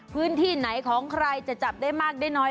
พื้นที่ไหนของใครจะจับได้มากได้น้อย